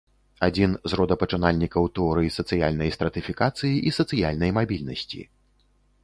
Адзін з родапачынальнікаў тэорый сацыяльнай стратыфікацыі і сацыяльнай мабільнасці.